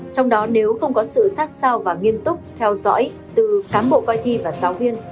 trong đó nếu không có sự sát sao và nghiêm túc theo dõi từ cán bộ coi thi và giáo viên